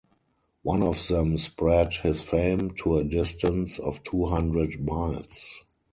One of them spread his fame to a distance of two hundred miles.